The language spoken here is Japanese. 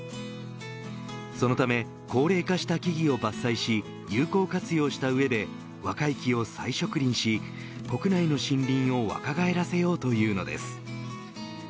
そのため、高齢化した木々を伐採し、有効活用した上で若い木を再植林し国内の森林を若返らせようというのです。